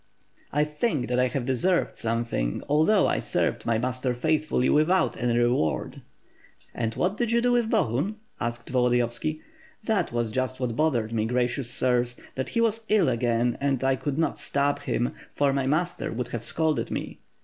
"I think that I have deserved something, although I served my master faithfully without any reward." "And what did you do with Bohun?" asked Volodiyovski. "That was just what bothered me, gracious sirs, that he was ill again and I could not stab him; for my master would have scolded me.